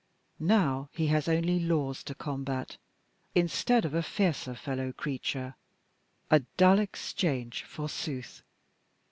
Now, he has only laws to combat, instead of a fiercer fellow creature a dull exchange forsooth!